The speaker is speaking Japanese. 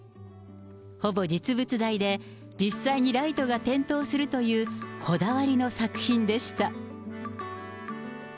ほぼ実物大で、実際にライトが点灯するというこだわりの作品でした。